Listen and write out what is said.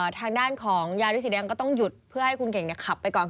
ทางด้านของยาริสสีแดงก็ต้องหยุดเพื่อให้คุณเก่งขับไปก่อน